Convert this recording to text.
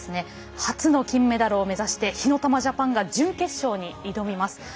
初の金メダルを目指して火ノ玉ジャパンが準決勝に挑みます。